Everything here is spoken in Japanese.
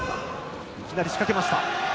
いきなり仕掛けました。